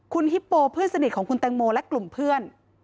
คุณฮิปโปเพื่อนสนิทของคุณแตงโมและกลุ่มเพื่อน